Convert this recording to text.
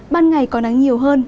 ban ngày có nắng nhiều hơn